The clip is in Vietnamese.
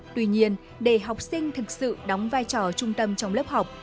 tuy nhiên để học sinh thực sự đóng vai trò trung tâm trong lớp học